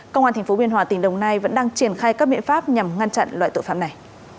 công an tp biên hòa tỉnh đồng nai vẫn đang triển khai các biện pháp nhằm ngăn chặn loại tội phạm này